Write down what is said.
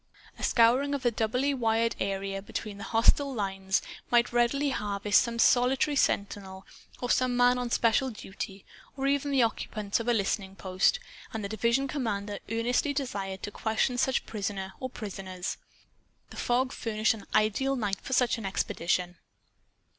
A scouring of the doubly wired area between the hostile lines might readily harvest some solitary sentinel or some other man on special duty, or even the occupants of a listening post. And the division commander earnestly desired to question such prisoner or prisoners. The fog furnished an ideal night for such an expedition.